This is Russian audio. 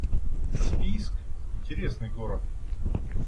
Каспийск — интересный город